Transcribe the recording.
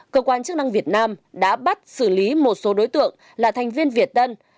cơ quan chức năng việt nam đã bắt xử lý một số đối tượng là thành viên việt tân